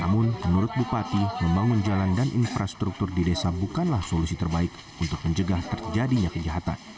namun menurut bupati membangun jalan dan infrastruktur di desa bukanlah solusi terbaik untuk menjegah terjadinya kejahatan